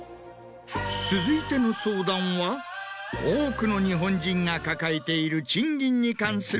続いての相談は多くの日本人が抱えている。